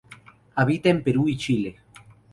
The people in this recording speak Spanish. Habita en Perú y Chile.